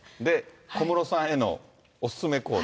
小室さんへのお勧めコーデ。